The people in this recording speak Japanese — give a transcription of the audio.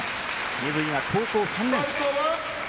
水井が高校３年生。